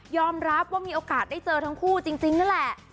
รับว่ามีโอกาสได้เจอทั้งคู่จริงนั่นแหละ